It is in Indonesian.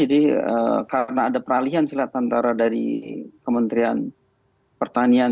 jadi karena ada peralihan silat antara dari kementerian pertanian